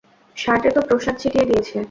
শার্টে তো প্রসাদ ছিটিয়ে দিয়েছে।